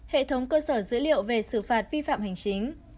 hệ thống cơ sở dữ liệu về xử phạt vi phạm hành chính